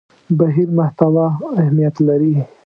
بهیر محتوا اهمیت لري.